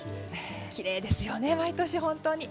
きれいですよね、毎年本当に。